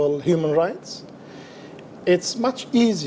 lebih mudah untuk berkomunikasi